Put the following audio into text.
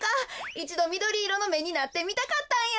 いちどみどりいろのめになってみたかったんや。